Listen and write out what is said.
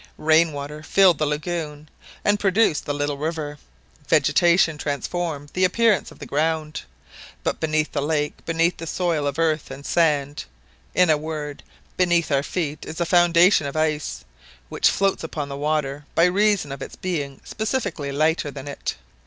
Rain water filled the lagoon, and produced the little river; vegetation transformed the appearance of the ground; but beneath the lake, beneath the soil of earth and sand—in a word, beneath our feet is a foundation of ice, which floats upon the water by reason of its being specifically lighter than it.